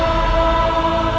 aku tidak tahu diri